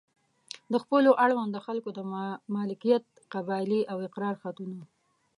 د خپلو اړونده خلکو د مالکیت قبالې او اقرار خطونه.